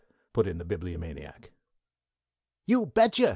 '" put in the Bibliomaniac. "Ubetcha!"